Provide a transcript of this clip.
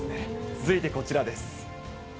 続いてこちらです。